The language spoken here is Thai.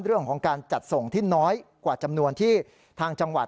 เรื่องของการจัดส่งที่น้อยกว่าจำนวนที่ทางจังหวัด